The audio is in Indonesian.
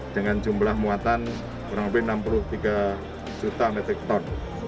dengan jumlah muatan kurang lebih enam puluh tiga juta metrik ton